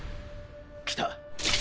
来た！